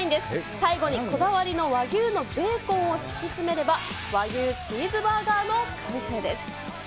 最後にこだわりの和牛のベーコンを敷き詰めれば、和牛チーズバーガーの完成です。